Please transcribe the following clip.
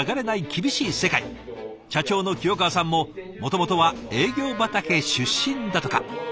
社長の清川さんももともとは営業畑出身だとか。